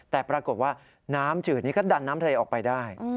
แต่ปรากฏว่าน้ำจืดนี้ก็ดันน้ำทะเลออกไปได้